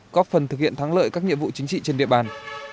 góp phần thực hiện thắng lợi các nhiệm vụ chính trị trên địa bàn